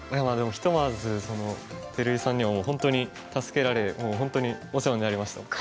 まあでもひとまず照井さんにはもう本当に助けられ本当にお世話になりました。